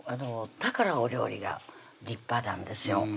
だからお料理が立派なんですよ